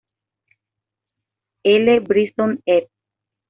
L. Bryson, ed.